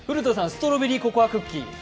ストロベリーココアクッキー。